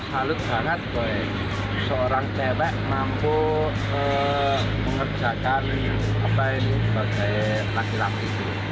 mengerjakan apa ini bagai laki laki